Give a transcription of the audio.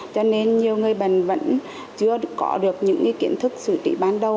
cho nên nhiều người bệnh vẫn chưa có được những kiến thức xử trí bán đầu